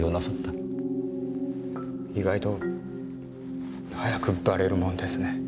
意外と早くバレるもんですね。